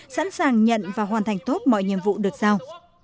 sẵn sàng nhận và hoàn thành tốt mọi nhiệm vụ được giao